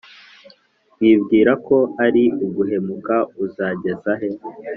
Wibwira ko ari uguhemuka, Uzageza he ?